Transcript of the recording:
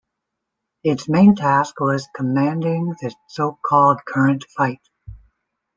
Its main task was commanding the so-called "current fight".